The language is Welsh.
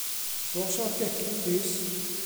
Dos o'r gegin plis.